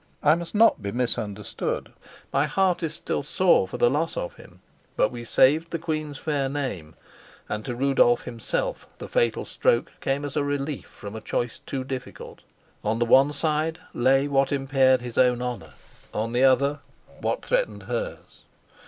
I must not be misunderstood: my heart is still sore for the loss of him. But we saved the queen's fair fame, and to Rudolf himself the fatal stroke came as a relief from a choice too difficult: on the one side lay what impaired his own honor, on the other what threatened hers.